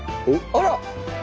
あら。